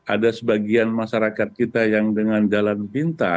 ada sebagian masyarakat kita yang dengan jalan pinta